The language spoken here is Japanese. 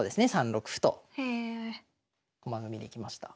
３六歩と駒組みにいきました。